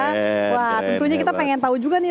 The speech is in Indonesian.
wah tentunya kita pengen tahu juga nih